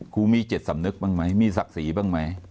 ครูมีจิตสำนึกบ้างไหมมีศักดิ์ศรีบ้างไหม